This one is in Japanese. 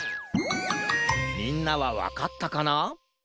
みんなはわかったかな？